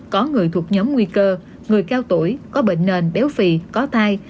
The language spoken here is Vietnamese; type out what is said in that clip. có người thuộc nhóm nguy cơ người cao tuổi có bệnh nền béo phì có tai